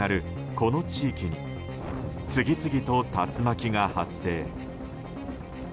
この地域に次々と竜巻が発生。